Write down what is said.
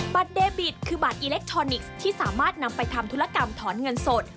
เดบิตคือบัตรอิเล็กทรอนิกส์ที่สามารถนำไปทำธุรกรรมถอนเงินสด